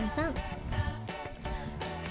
สองสอง